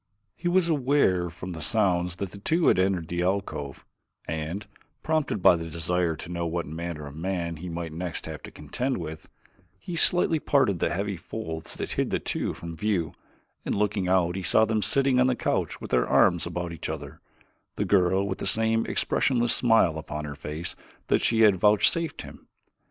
He was aware from the sounds that the two had entered the alcove, and, prompted by a desire to know what manner of man he might next have to contend with, he slightly parted the heavy folds that hid the two from his view and looking out saw them sitting on the couch with their arms about each other, the girl with the same expressionless smile upon her face that she had vouchsafed him.